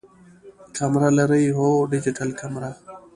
کمره لرئ؟ هو، ډیجیټل کمره